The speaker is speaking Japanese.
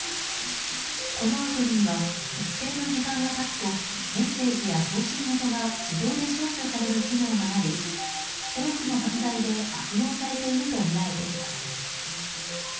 このアプリには一定の時間が経つとメッセージや送信元が自動で消去される機能があり多くの犯罪で悪用されているとみられています。